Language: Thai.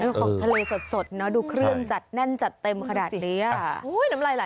ของทะเลสดเนอะดูเครื่องจัดแน่นจัดเต็มขนาดนี้อ่ะ